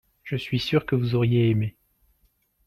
je suis sûr que vous auriez aimé.